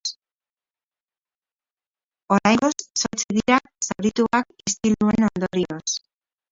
Oraingoz, zortzi dira zaurituak istiluen ondorioz.